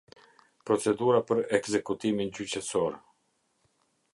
Procedura për ekzekutimin gjyqësor.